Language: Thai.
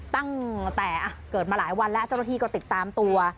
ตั้งแต่เกิดมาหลายวันแล้วเจ้าหน้าที่ก็ติดตามตัว